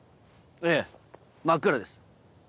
ええ真っ暗です。